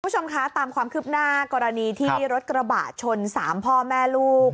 คุณผู้ชมคะตามความคืบหน้ากรณีที่รถกระบะชน๓พ่อแม่ลูก